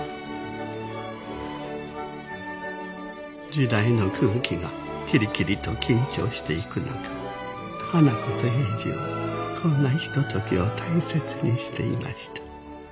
時代の空気がキリキリと緊張していく中花子と英治はこんなひとときを大切にしていました。